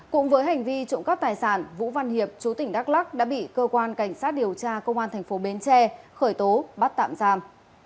cũng với hành vi trộm cắp tài sản vũ văn hiệp chú tỉnh đắk lắc đã bị cơ quan cảnh sát điều tra công an thành phố bến tre khởi tố bắt tạm giam